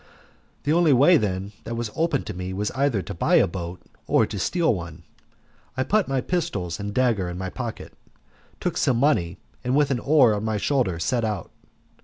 The only way, then, that was open to me was either to buy a boat or to steal one. I put my pistols and dagger in my pocket, took some money, and with an oar on my shoulder set out.